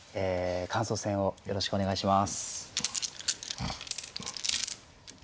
感想戦をよろしくお願いします。